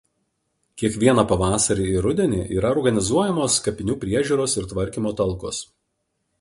Kiekvieną pavasarį ir rudenį yra organizuojamos kapinių priežiūros ir tvarkymo talkos.